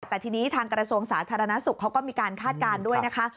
แต่ทีนี้ทางกระทรวงสาธารณสุขเขาก็มีการคาดการณ์ด้วยนะคะ